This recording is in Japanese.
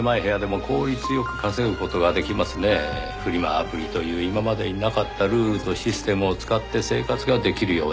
アプリという今までになかったルールとシステムを使って生活ができるようになった。